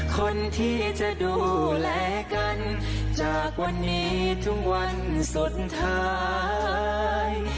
คนที่จะดูแลกันจากวันนี้ทุกวันสุดท้าย